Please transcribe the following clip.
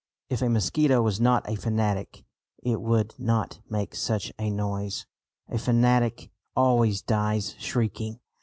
If a mosquito was not a fanatic, it would not make such a noise. A fanatic always dies shrieking.